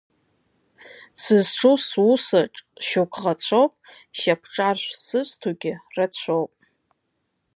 Сызҿу сусаҿ шьоук ӷацәоуп, шьапҿаршә сызҭогьы рацәоуп.